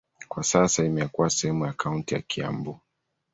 Kwa sasa imekuwa sehemu ya kaunti ya Kiambu.